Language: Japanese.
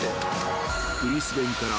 ［ブリスベンから］